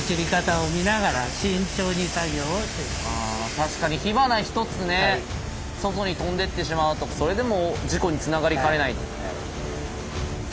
確かに火花一つね外に飛んでってしまうとそれでもう事故につながりかねない。